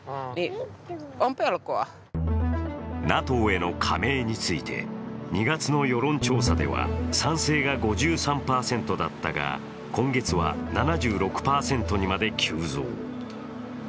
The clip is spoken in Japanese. ＮＡＴＯへの加盟について２月の世論調査では賛成が５３％だったが今月は７６％にまで急増。